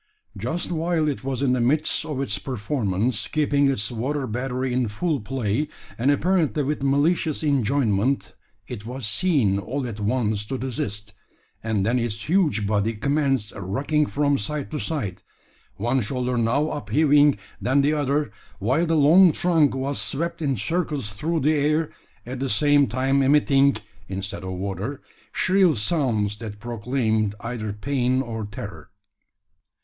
Just while it was in the midst of its performance, keeping its water battery in full play, and apparently with malicious enjoyment, it was seen all at once to desist; and then its huge body commenced rocking from side to side, one shoulder now upheaving, then the other, while the long trunk was swept in circles through the air, at the same time emitting, instead of water, shrill sounds that proclaimed either pain or terror.